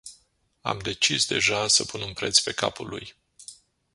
Am decis deja să pun un preț pe capul lui.